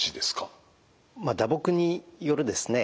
打撲によるですね